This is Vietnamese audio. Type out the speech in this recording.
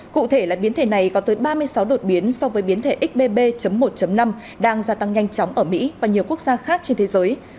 cụ thể là biến thể này có tới ba mươi sáu đột biến so với biến thể xbb một năm đang gia tăng nhanh chóng ở mỹ và nhiều quốc gia khác trên thế giới